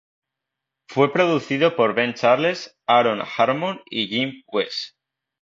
Fue producido por Ben Charles, Aaron Harmon, y Jim Wes.